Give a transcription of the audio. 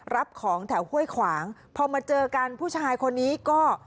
รับของแถวห้วยขวางพอมาเจอกันผู้ชายคนนี้ก็